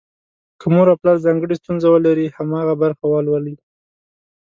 که مور او پلار ځانګړې ستونزه ولري، هماغه برخه ولولي.